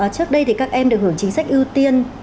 trước đây thì các em được hưởng chính sách ưu tiên